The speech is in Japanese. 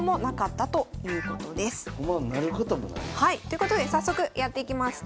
ということで早速やっていきます。